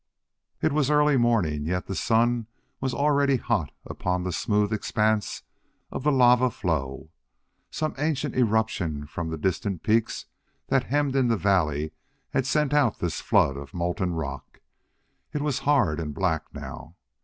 It was early morning, yet the sun was already hot upon the smooth expanse of the lava flow. Some ancient eruption from the distant peaks that hemmed in the valley had sent out this flood of molten rock; it was hard and black now.